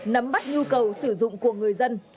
nắm bắt nhu cầu sử dụng của người dân